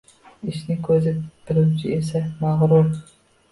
«Ishning ko‘zini biluvchi» esa mag‘rur.